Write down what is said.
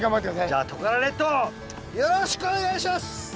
じゃあトカラ列島よろしくお願いします！